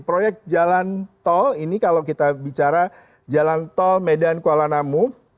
proyek jalan tol ini kalau kita bicara jalan tol medan kuala namu